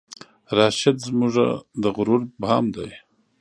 راشد زمونږه د غرور بام دی